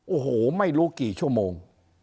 โอ้โหไม่รู้กี่ชั่วโมง